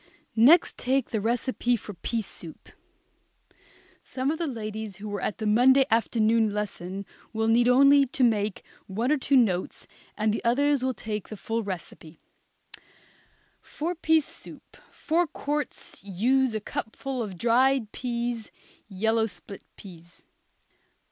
Next take the recipe for pea soup. Some of the ladies who were at the Monday afternoon lesson will need only to make one or two notes, and the others will take the full recipe. For pea soup, four quarts, use a cupful of dried peas, yellow split peas.